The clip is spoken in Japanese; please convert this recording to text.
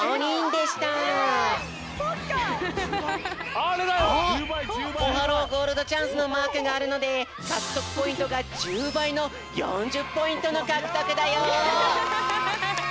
あっオハローゴールドチャンスのマークがあるのでかくとくポイントが１０ばいの４０ポイントのかくとくだよ！